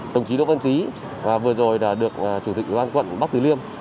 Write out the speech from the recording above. đồng chí đỗ văn tý vừa rồi được chủ tịch quân quận bắc thứ liêm